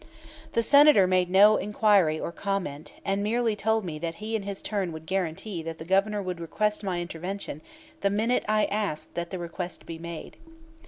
The Senator made no inquiry or comment, and merely told me that he in his turn would guarantee that the Governor would request my intervention the minute I asked that the request be made.